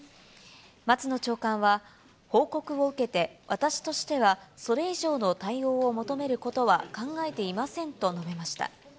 松野長官は、報告を受けて、私としてはそれ以上の対応を求めることは考えていませんと述べました。